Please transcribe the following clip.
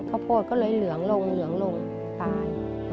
โพดก็เลยเหลืองลงเหลืองลงตาย